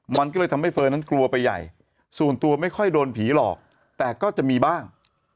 มันก็เลยทำให้เฟิร์นนั้นกลัวไปใหญ่ส่วนตัวไม่ค่อยโดนผีหลอกแต่ก็จะมีบ้าง